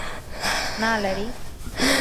না, ল্যারি!